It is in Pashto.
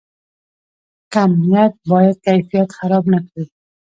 کمیت باید کیفیت خراب نکړي